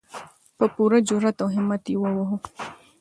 په پوره جرئت او همت یې ووهو.